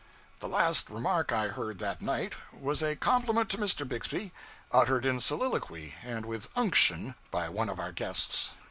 The last remark I heard that night was a compliment to Mr. Bixby, uttered in soliloquy and with unction by one of our guests.